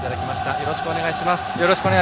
よろしくお願いします。